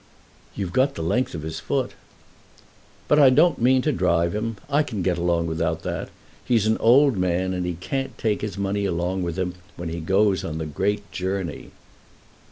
"You've got the length of his foot." "But I don't mean to drive him. I can get along without that. He's an old man, and he can't take his money along with him when he goes the great journey."